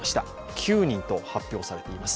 ９人と発表されています。